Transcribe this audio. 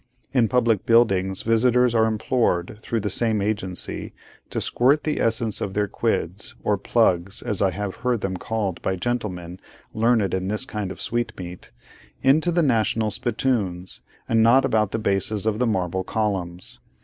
In public buildings, visitors are implored, through the same agency, to squirt the essence of their quids, or 'plugs,' as I have heard them called by gentlemen learned in this kind of sweetmeat, into the national spittoons, and not about the bases of the marble columns.